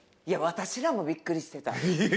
いや私らもびっくりしてた。